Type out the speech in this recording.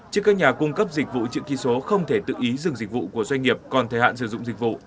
chứ các nhà cung cấp dịch vụ chữ ký số không thể tự ý dừng dịch vụ của doanh nghiệp còn thời hạn sử dụng dịch vụ